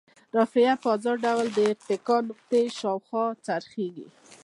رافعه په ازاد ډول د اتکا نقطې شاوخوا څرخیږي.